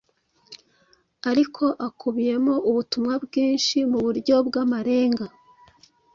ariko akubiyemo ubutumwa bwinshi mu buryo bw’amarenga